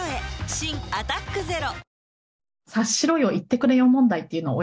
新「アタックＺＥＲＯ」